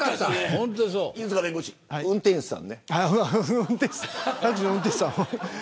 犬塚弁護士、運転手さんね。